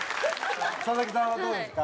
佐々木さんはどうでした？